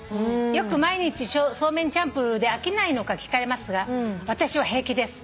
「よく毎日そうめんチャンプルーで飽きないのか聞かれますが私は平気です」